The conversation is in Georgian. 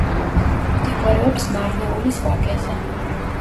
მდებარეობს მარნეულის ვაკეზე.